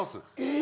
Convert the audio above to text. え！